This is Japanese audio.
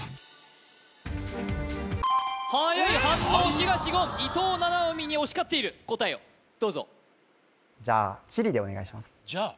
はやい反応東言伊藤七海に押し勝っている答えをどうぞじゃあチリでお願いしますじゃあ？